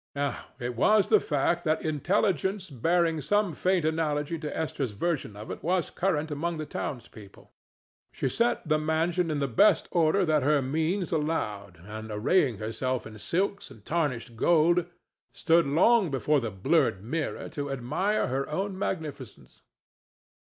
Now, it was the fact that intelligence bearing some faint analogy to Esther's version of it was current among the townspeople. She set the mansion in the best order that her means allowed, and, arraying herself in silks and tarnished gold, stood long before the blurred mirror to admire her own magnificence.